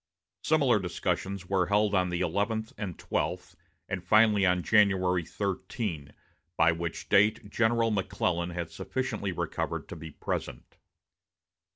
Similar discussions were held on the eleventh and twelfth, and finally, on January 13, by which date General McClellan had sufficiently recovered to be present.